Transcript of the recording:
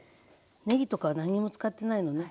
ねぎとか何にも使ってないのね。